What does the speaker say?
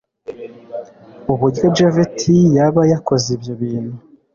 uburyo japhet yaba yakoze ibyo bintu